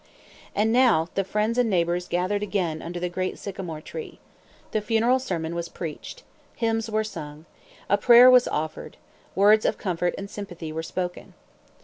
And now the friends and neighbors gathered again under the great sycamore tree. The funeral sermon was preached. Hymns were sung. A prayer was offered. Words of comfort and sympathy were spoken.